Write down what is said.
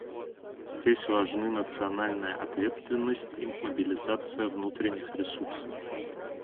Здесь важны национальная ответственность и мобилизация внутренних ресурсов.